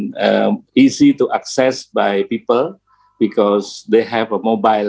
karena mereka juga memiliki banking mobile